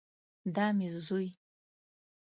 دا مې زوی